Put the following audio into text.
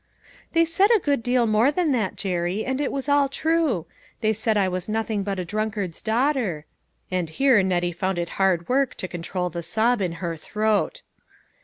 " They said a good deal more than that, Jerry, and it was all true. They said I was nothing but a drunkard's daughter," and here o o * Nettie found it hard work to control the sob in her throat.